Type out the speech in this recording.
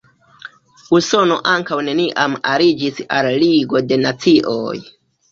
Usono ankaŭ neniam aliĝis al Ligo de Nacioj.